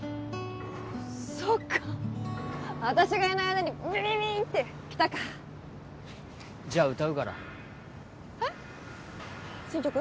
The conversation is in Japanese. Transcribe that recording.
そっか私がいない間にビビビッてきたかじゃ歌うからえっ新曲？